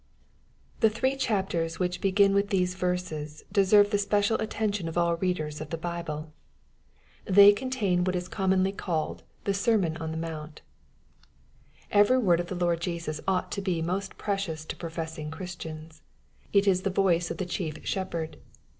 The three chapters which begin with these verses deserve the special attention of all readers of the Bible. They 32 EXPOSITOBT THIUGHTS. contain what is commonly called the '' sermon on tliA monnt/' Eveiy word of the Lord Jegus ought to be most preciooa to professing Christians. It is the voice of the chief Shepherd.